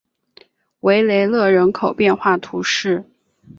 维勒雷人口变化图示